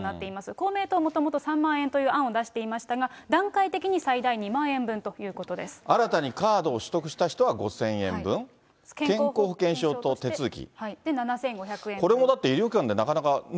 公明党はもともと３万円という案を出していましたが、段階的に最大２万円分新たにカードを取得した人は５０００円分、健康保険証と手続き。